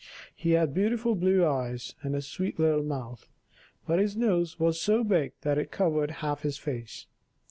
He had beautiful blue eyes and a sweet little mouth, but his nose was so big that it covered half his face.